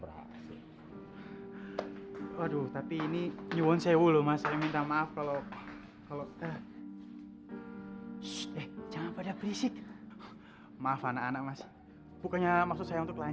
barang barang mahal begitu jantung